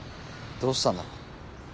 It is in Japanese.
どうしたんだろう？